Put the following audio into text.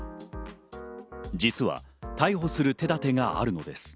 実は逮捕する手だてがあるのです。